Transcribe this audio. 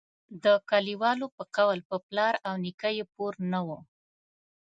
د کلیوالو په قول پر پلار او نیکه یې پور نه وو.